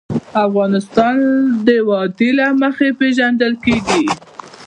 افغانستان د وادي له مخې پېژندل کېږي.